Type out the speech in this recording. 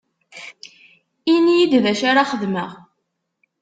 Ini-yi-d d acu ara xedmeɣ.